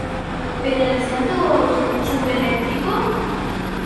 ¿Penalizando o autoconsumo eléctrico?